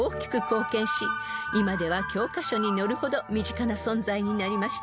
［今では教科書に載るほど身近な存在になりました］